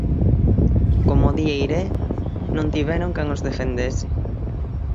Como di Eiré, non tiveron quen os defendese.